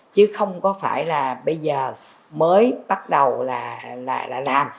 chứ không có phải là bây giờ mới bắt đầu là làm